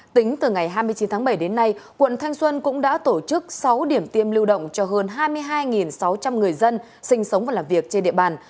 tính từ ngày hai mươi chín tháng bảy đến nay quận thanh xuân cũng đã tổ chức sáu điểm tiêm lưu động cho hơn hai mươi hai sáu trăm linh người dân sinh sống và làm việc trên địa bàn